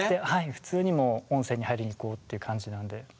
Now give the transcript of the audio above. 普通にもう温泉に入りに行こうという感じなので。